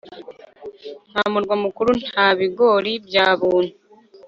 Nta murwa mukuru nta bigori bya buntu